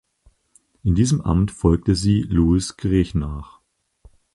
In diesem Amt folgte sie Louis Grech nach.